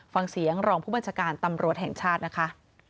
ฟังเสียงรองผู้บัญชาการตำรวจแห่งชาตินะคะ